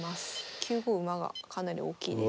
９五馬がかなり大きいです。